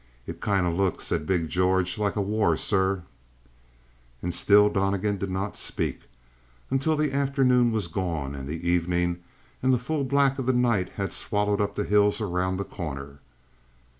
"It kind of looks," said big George, "like a war, sir." And still Donnegan did not speak, until the afternoon was gone, and the evening, and the full black of the night had swallowed up the hills around The Corner.